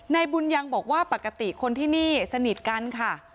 นายบุญยังบอกว่าปกติคนที่นี่สนิทกันค่ะ